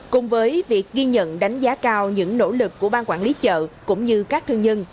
cùng với việc ghi nhận đánh giá cao những nỗ lực của bang quản lý chợ cũng như các thương nhân